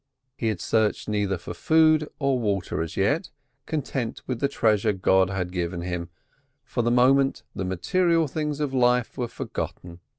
He had searched neither for food or water as yet; content with the treasure God had given him, for the moment the material things of life were forgotten.